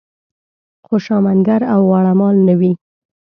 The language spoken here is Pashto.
خوشامنګر او غوړه مال نه وي.